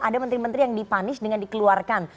ada menteri menteri yang dipanis dengan dikeluarkan